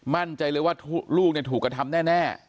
มั่นใจเลยว่าลูกถูกกระทำแน่